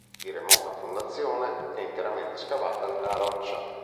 Di remota fondazione, è interamente scavata nella roccia.